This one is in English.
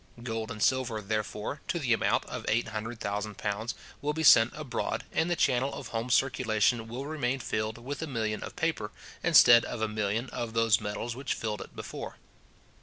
Gold and silver, therefore, to the amount of eight hundred thousand pounds, will be sent abroad, and the channel of home circulation will remain filled with a million of paper instead of a million of those metals which filled it before.